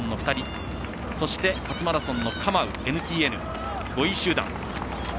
そして初マラソンのカマウＮＴＮ、５位集団。